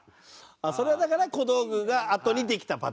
それはだから小道具があとにできたパターンね。